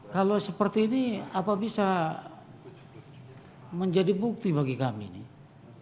kalau seperti ini apa bisa menjadi bukti bagi kami nih